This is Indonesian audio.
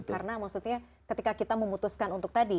karena maksudnya ketika kita memutuskan untuk tadi